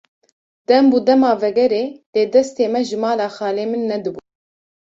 Dem bû dema vegerê, lê destê me ji mala xalê min nedibû.